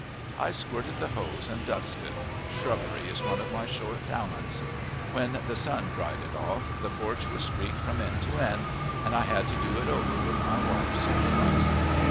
I squirted the hose and dusted. Scrubbery is one of my short talents. When the sun dried it off, the porch was streaked from end to end, and I had to do it over with my wife supervising.